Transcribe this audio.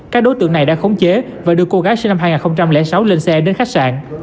các đối tượng này đã khống chế và đưa cô gái sinh năm hai nghìn sáu lên xe đến khách sạn